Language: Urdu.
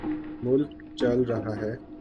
ملک چل رہا ہے۔